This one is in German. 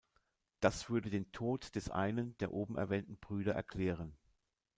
Das würde den Tod des einen der oben erwähnten Brüder erklären.